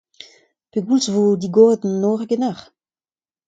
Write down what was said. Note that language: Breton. Pegoulz e vo digoret an nor ganeoc'h ?